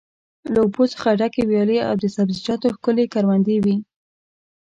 له اوبو څخه ډکې ویالې او د سبزیجاتو ښکلې کروندې وې.